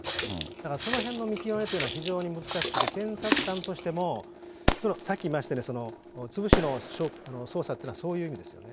だからそのへんの見極めというのが非常に難しくて、検察官としても、さっき言いましたように、潰しの捜査というのはそういう意味ですよね。